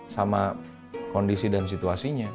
sama kondisi dan situasinya